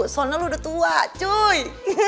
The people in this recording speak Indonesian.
soalnya lu udah tua cuy